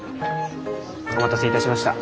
お待たせいたしました。